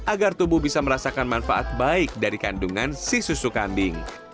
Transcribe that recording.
agar tubuh bisa merasakan manfaat baik dari kandungan si susu kambing